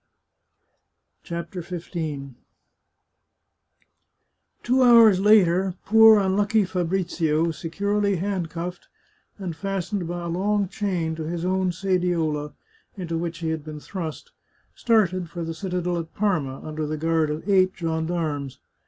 CHAPTER XV Two hours later, poor unlucky Fabrizio, securely hand cuffed, and fastened by a long chain to his own sediola, into which he had been thrust, started for the citadel at Parma, under the guard of eight gendarmes.